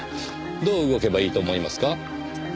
どう動けばいいと思いますか？